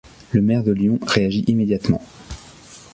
Le maire de Lyon réagit immédiatement.